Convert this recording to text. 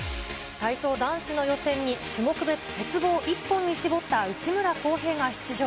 体操男子の予選に種目別鉄棒一本に絞った内村航平が出場。